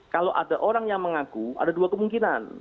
kalau ada orang yang mengaku ada dua kemungkinan